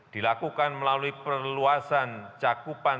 dilakukan melalui perluasan cakupan